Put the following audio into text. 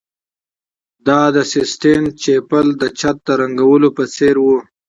دا د سیسټین چیپل د چت د رنګولو په څیر و